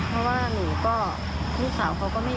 เพราะว่าหนูก็พี่สาวเขาก็ไม่